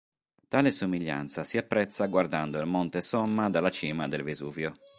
Tale somiglianza si apprezza guardando il Monte Somma dalla cima del Vesuvio.